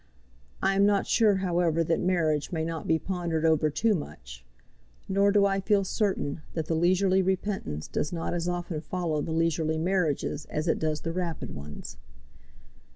I am not sure, however, that marriage may not be pondered over too much; nor do I feel certain that the leisurely repentance does not as often follow the leisurely marriages as it does the rapid ones.